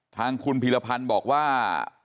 ทางคุณพีรพันธ์บอกว่า